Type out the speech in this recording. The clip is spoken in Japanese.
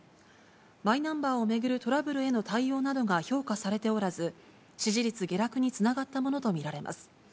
マイナンバーを巡るトラブルへの対応などが評価されておらず、支持率下落につながったものと見られます。